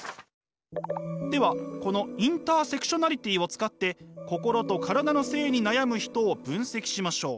ではこのインターセクショナリティを使って心と体の性に悩む人を分析しましょう。